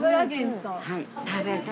はい。